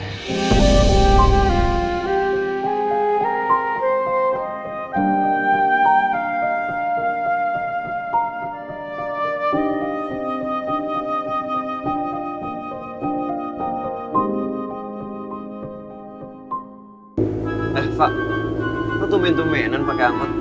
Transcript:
eh pak lu tumin tuminin pake amat